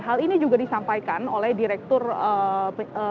hal ini juga disampaikan oleh direktur penyelidikan